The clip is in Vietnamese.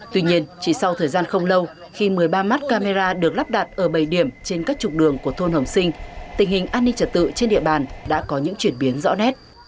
tuy nhiên chỉ sau thời gian không lâu khi một mươi ba mắt camera được lắp đặt ở bầy điểm trên các trục đường của thôn hồng sinh tình hình an ninh trật tự trên địa bàn đã có những chuyển biến rõ nét